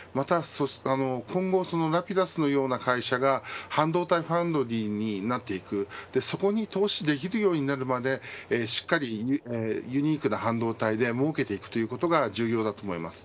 今後Ｒａｐｉｄｕｓのような会社が半導体ファウンドリーになっていくそこに投資できるようになるまでしっかりユニークな半導体でもうけていくということが重要だと思います。